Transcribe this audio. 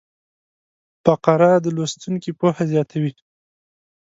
فقره د لوستونکي پوهه زیاتوي.